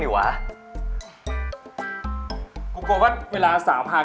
ชื่อฟอยแต่ไม่ใช่แฟง